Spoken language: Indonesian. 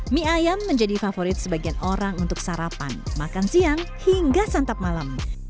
mie ayam menjadi favorit sebagian orang untuk sarapan makan siang hingga santap malam